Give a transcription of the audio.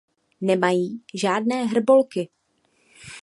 Nemají žádné hrbolky.